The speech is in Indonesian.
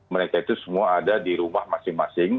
mereka itu semua ada di rumah masing masing